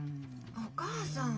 お母さん。